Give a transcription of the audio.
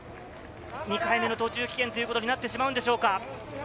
２回目の途中棄権ということになってしまうんでしょうか？